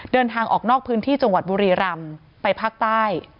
เดินทางออกนอกพื้นที่จังหวัดบุรีรำไปภาคใต้